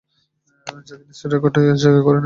যা গিনেস বিশ্ব রেকর্ড জায়গা করে নেয়।